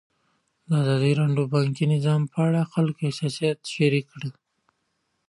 ازادي راډیو د بانکي نظام په اړه د خلکو احساسات شریک کړي.